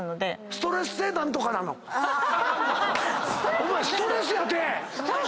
お前ストレスやて！